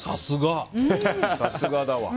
さすがだわ。